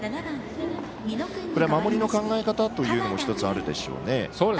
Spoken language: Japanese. これは守りの考え方というのも１つあるでしょうね。